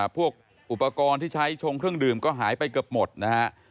พวกอุปกรณ์ที่ใช้ชงเครื่องดื่มก็หายไปเกือบหมดนะฮะ